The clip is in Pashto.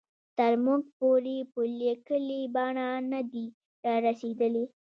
تر موږ پورې په لیکلې بڼه نه دي را رسېدلي.